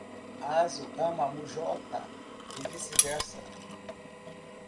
Haso ama Mujota e vice-versa.